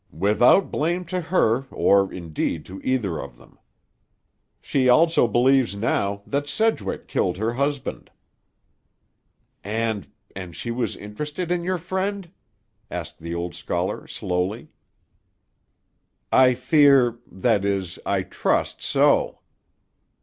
"Without blame to her, or, indeed, to either of them. She also believes, now, that Sedgwick killed her husband." "And—and she was interested in your friend?" asked the old scholar slowly. "I fear—that is, I trust so."